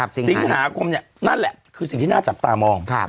สิงหาคมเนี่ยนั่นแหละคือสิ่งที่น่าจับตามอง